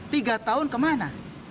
tiga tahun kemana